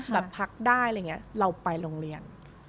แบบพักได้อะไรอย่างนี้เราไปโรงเรียน